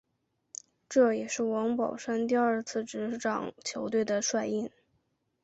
这也是王宝山第二次执掌球队的帅印。